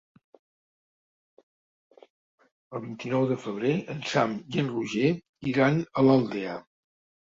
El vint-i-nou de febrer en Sam i en Roger iran a l'Aldea.